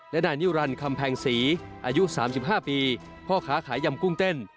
และนายนิรันดิคำแพงศรีอายุ๓๕ปีพ่อค้าขายยำกุ้งเต้น